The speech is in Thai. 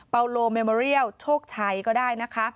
โลเมโมเรียลโชคชัยก็ได้นะคะ